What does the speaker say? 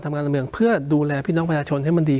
การเมืองเพื่อดูแลพี่น้องประชาชนให้มันดี